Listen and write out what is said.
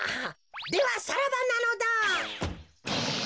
ではさらばなのだ。